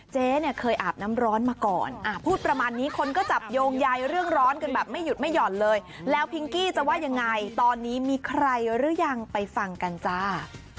เจอหรือยังไปฟังกันจ้า